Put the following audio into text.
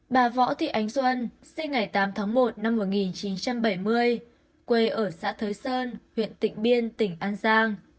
bà võ thị ánh xuân sinh ngày tám tháng một năm một nghìn chín trăm bảy mươi quê ở xã thới sơn huyện tịnh biên tỉnh an giang